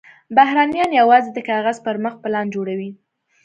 بهرنیان یوازې د کاغذ پر مخ پلان جوړوي.